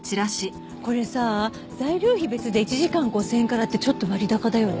これさ材料費別で１時間５０００円からってちょっと割高だよね。